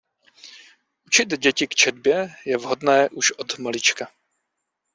Učit děti k četbě je vhodné už od malička.